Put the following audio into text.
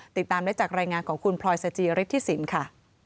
ติดตามได้จากรายงานของคุณพลอยสจิฤทธิสินค่ะ